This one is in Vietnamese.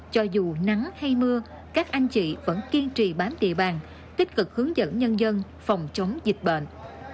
cho dù nắng hay mưa các anh chị vẫn kiên trì bám địa bàn tích cực hướng dẫn nhân dân phòng chống dịch bệnh